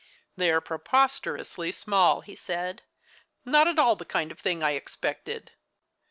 "They are preposterously small," he said, "not at all the kind of thing I expected.